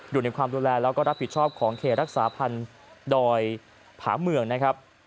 อยู่ในความดูแลแล้วก็รับผิดชอบของเขตรักษาพันธ์ดอยผาเมืองนะครับ